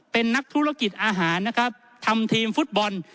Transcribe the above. เป็นนักธุรกิจอาหารนะครับทำทีมฟุตบอล